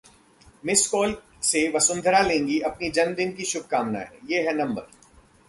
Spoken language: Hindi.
'मिस्डकॉल' से वसुंधरा लेंगी अपनी जन्मदिन की शुभकामनाएं, ये है नंबर